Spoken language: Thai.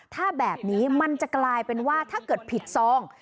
ถ้าแบบนี้มันจะกลายเป็นว่าถ้าเกิดผิดซอง